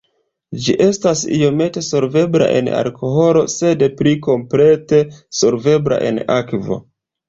Ĝi estas iomete solvebla en alkoholo sed pli komplete solvebla en akvo.